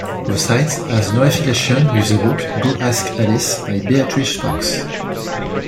The site has no affiliation with the book "Go Ask Alice" by Beatrice Sparks.